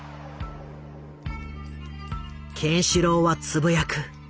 ケンシロウはつぶやく。